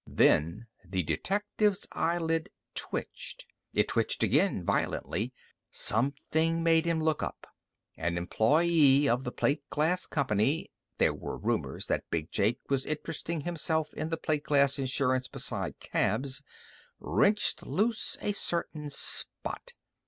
Then the detective's eyelid twitched. It twitched again, violently. Something made him look up. An employee of the plate glass company there were rumors that Big Jake was interesting himself in plate glass insurance besides cabs wrenched loose a certain spot.